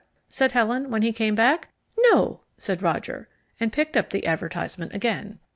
said Helen, when he came back. "No," said Roger, and picked up the advertisement again.